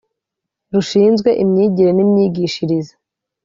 rushinzwe imyigire n imyigishirize